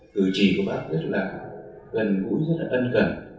cử chỉ của bác rất là gần gũi rất là ân cần